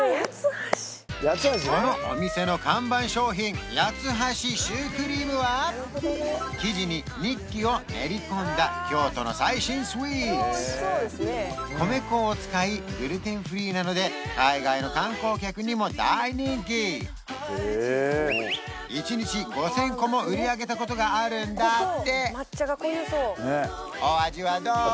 このお店の看板商品八ツ橋シュークリームは生地にニッキを練り込んだ京都の最新スイーツ米粉を使いグルテンフリーなので海外の観光客にも大人気１日５０００個も売り上げたことがあるんだって